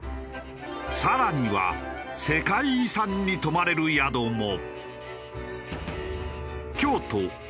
更には世界遺産に泊まれる宿も。